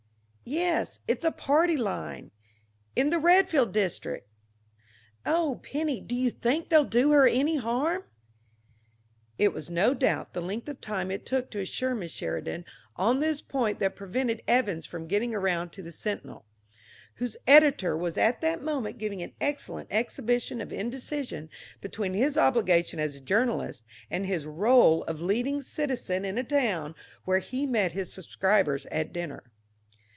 Yes... it's a party line. In the Redfield district. Oh, Penny, do you think they'll do her any harm?" It was, no doubt, the length of time it took to assure Miss Sheridan on this point that prevented Evans from getting around to the Sentinel, whose editor was at that moment giving an excellent exhibition of indecision between his obligation as a journalist and his rôle of leading citizen in a town where he met his subscribers at dinner.